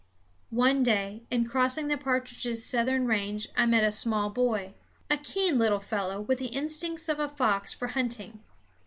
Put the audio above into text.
One day, in crossing the partridge's southern range, I met a small boy, a keen little fellow, with the instincts of a fox for hunting.